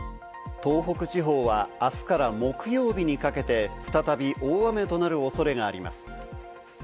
東北地方はあすから木曜日にかけて再び大雨となる恐れがあります。